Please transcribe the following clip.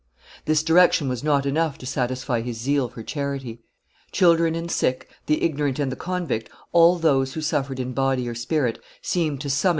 This direction was not enough to satisfy his zeal for charity; children and sick, the ignorant and the convict, all those who suffered in body or spirit, seemed to summon M.